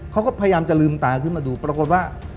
เขาก็พยายามจะลืมตาขึ้นมาดูปรากฏว่า